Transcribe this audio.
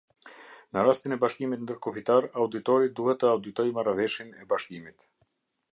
Në rastin e bashkimit ndërkufitar, auditori duhet të auditojë marrëveshjen e bashkimit.